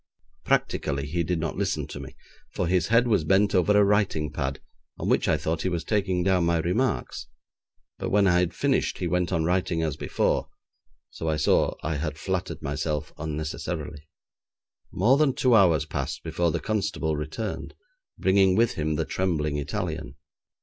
Practically he did not listen to me, for his head was bent over a writing pad on which I thought he was taking down my remarks, but when I had finished he went on writing as before, so I saw I had flattered myself unnecessarily. More than two hours passed before the constable returned, bringing with him the trembling Italian.